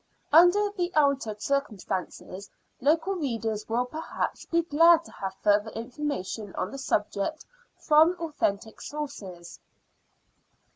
Under the altered circumstances, local readers will perhaps be glad to have further information on the subject from authentic sources.